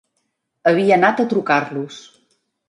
Havia anat a trucar-los.